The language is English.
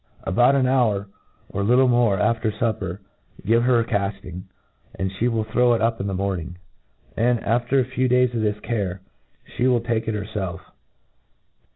About an hour, or little more, after fupper, give her cafting, and flie will throw it up in the morning ; and, after a few days of this care, ftie will take it herfclf.